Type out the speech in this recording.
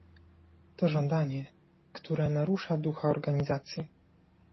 To żądanie - które narusza ducha organizacji